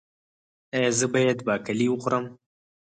ایا زه باید باقلي وخورم؟